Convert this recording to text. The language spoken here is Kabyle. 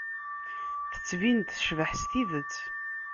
Tettbin-d tecbeḥ s tidet.